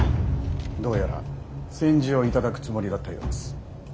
どうやら宣旨を頂くつもりだったようです。